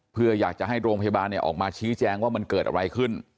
เพื่ออยากจะให้โรงพยาบาลออกมาชี้แจงว่ามันเกิดอะไรขึ้น